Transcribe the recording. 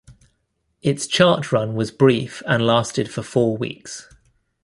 Its chart run was brief and lasted for four weeks.